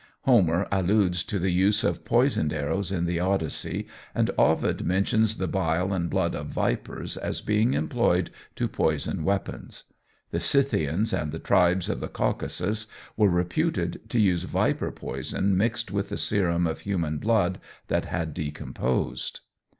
Homer alludes to the use of poisoned arrows in the "Odyssey," and Ovid mentions the bile and blood of vipers as being employed to poison weapons. The Scythians and the tribes of the Caucasus were reputed to use Viper poison mixed with the serum of human blood that had decomposed.